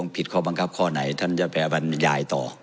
ผิดข้อบังคับข้อไหนท่านจะไปบรรยายต่อ